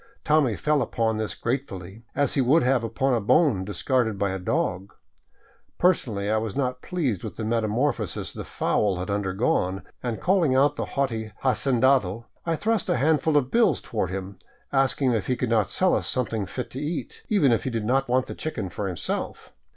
Tommy fell upon this gratefully, as he would have upon a bone dis carded by a dog. Personally I was not pleased with the metamorpho sis the fowl had undergone, and calling out the haughty hacendado, I thrust a handful of bills toward him, asking if he could not sell us something fit to eat, even if he did want the chicken for himself.